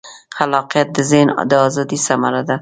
خلاقیت د ذهن د ازادۍ ثمره ده.